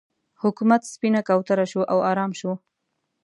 حکومت سپینه کوتره شو او ارام شو.